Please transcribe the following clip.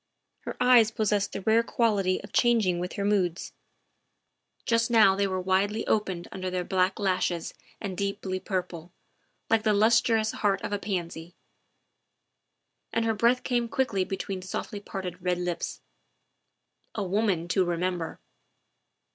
Pier eyes possessed the rare quality of changing with her moods ; just now they were widely opened under their black lashes and deeply purple, like the lustrous heart of a pansy, and her breath came quickly between softly parted red lips. A woman to remember